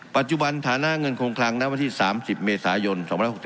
ปัจจุบันฐานะเงินคงคลังณวันที่๓๐เมษายน๒๖๖